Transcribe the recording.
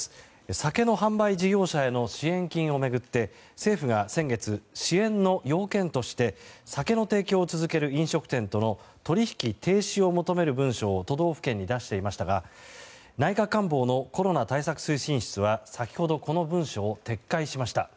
酒の販売事業者への支援金を巡って政府が先月、支援の要件として酒の提供を続ける飲食店との取引停止を求める文書を都道府県に出していましたが内閣官房のコロナ対策推進室は先ほど、この文書を撤回しました。